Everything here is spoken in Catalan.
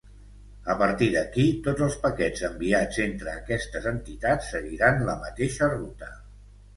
A partir d'aquí, tots els paquets enviats entre aquestes entitats seguiran la mateixa ruta.